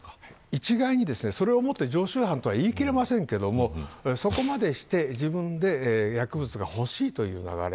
一概にそれをもって常習犯とは言い切れませんけれどもそこまでして自分で薬物が欲しいというのが流れ。